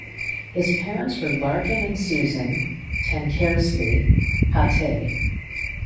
His parents were Larkin and Susan (Tankersley) Pate.